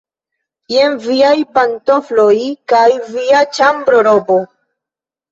Jen viaj pantofloj kaj via ĉambrorobo.